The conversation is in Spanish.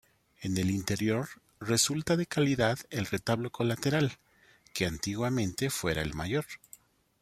En el interior resulta de calidad el retablo colateral, que antiguamente fuera el mayor.